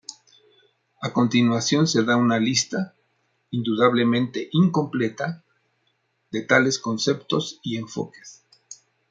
A continuación se da una lista —indudablemente incompleta— de tales conceptos y enfoques.